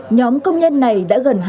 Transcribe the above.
nhóm công nhân này đã gần